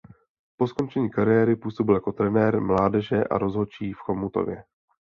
Po skončení kariéry působil jako trenér mládeže a rozhodčí v Chomutově.